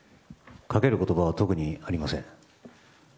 かける言葉は特にありません。